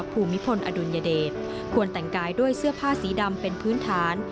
ภูมิพลอดุลยเดชควรแต่งกายด้วยเสื้อผ้าสีดำเป็นพื้นฐาน